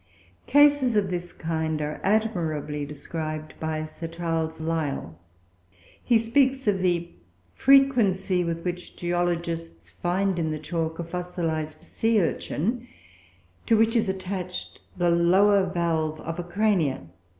Cases of this kind are admirably described by Sir Charles Lyell. He speaks of the frequency with which geologists find in the chalk a fossilized sea urchin, to which is attached the lower valve of a Crania.